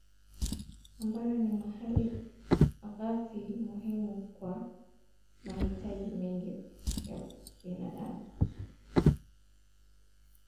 ambayo ni mali ghafi muhimu kwa mahitaji mengine ya mwanadamu